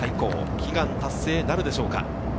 悲願達成なるでしょうか。